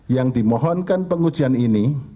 yang dimohonkan pengujian ini